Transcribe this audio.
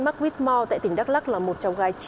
mắc whitmore tại tỉnh đắk lắc là một cháu gái